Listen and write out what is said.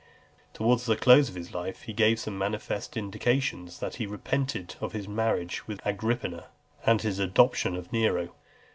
XLIII. Towards the close of his life, he gave some manifest indications that he repented of his marriage with Agrippina, and his adoption of Nero.